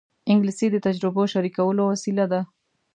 انګلیسي د تجربو شریکولو وسیله ده